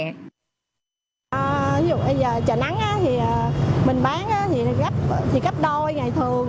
ví dụ bây giờ trà nắng thì mình bán thì gấp đôi ngày thường